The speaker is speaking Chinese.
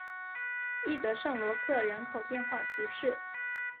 伊德圣罗克人口变化图示